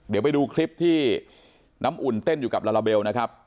เดี๋ยวไปดูคลิปที่น้ำอุ่นเต้นอยู่กับลาลาเบลนะครับ